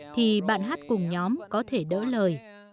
thì bạn hát cùng nhóm có thể đỡ lời